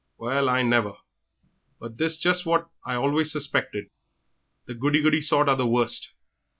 Well I never! But 'tis just what I always suspected. The goody goody sort are the worst.